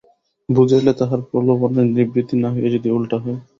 বুঝাইলে তাহার প্রলোভনের নিবৃত্তি না হইয়া যদি উলটা হয়।